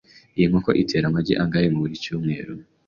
Iyi nkoko itera amagi angahe buri cyumweru?